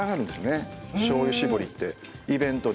しょう油搾りってイベントで。